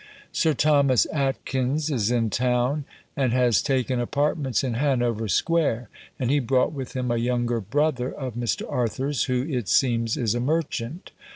Sir Thomas Atkyns is in town, and has taken apartments in Hanover Square; and he brought with him a younger brother of Mr. Arthur's, who, it seems, is a merchant.